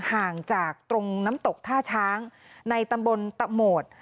ห่างจากตรงน้ำตกท่าช้างในตำบลตะโหมด